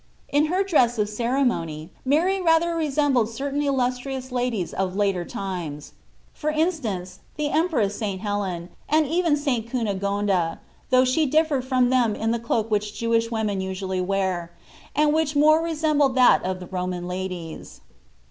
In her dress of ceremony Mary rather resembled certain illustrious ladies of later times ; for instance, the Empress St. Helen and even St. Cunegonda, though she dif fered from them in the cloak which Jewish women usually wear, and which more resembled that of the Roman ladies.